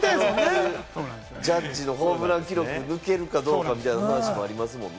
ジャッジのホームラン記録が抜けるかどうかみたいな話もあります